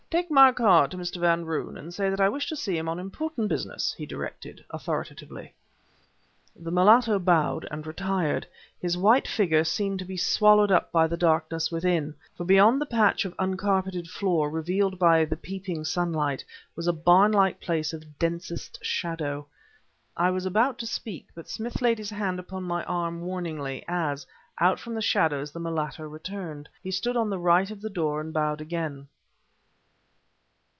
"Take my card to Mr. Van Roon, and say that I wish to see him on important business," he directed, authoritatively. The mulatto bowed and retired. His white figure seemed to be swallowed up by the darkness within, for beyond the patch of uncarpeted floor revealed by the peeping sunlight, was a barn like place of densest shadow. I was about to speak, but Smith laid his hand upon my arm warningly, as, out from the shadows the mulatto returned. He stood on the right of the door and bowed again.